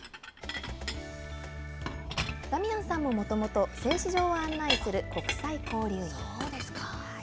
ダミアンさんももともと、製糸場を案内する国際交流員。